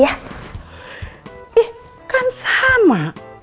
eh kan sama